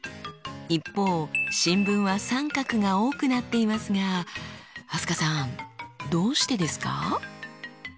一方新聞は△が多くなっていますが飛鳥さんどうしてですか？